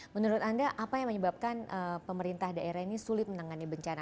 menurut anda apa yang menyebabkan pemerintah daerah ini sulit menangani bencana